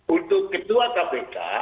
untuk ketua kpk